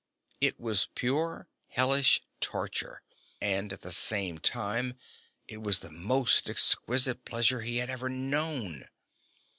It was pure, hellish torture, and at the same time it was the most exquisite pleasure he had ever known.